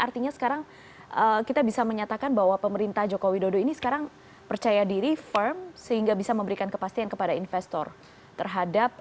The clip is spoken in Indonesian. tetapi kan pemerintah